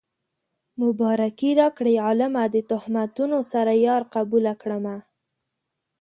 مبارکي راکړئ عالمه د تهمتونو سره يار قبوله کړمه